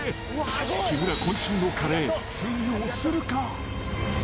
木村こん身のカレー、通用するか？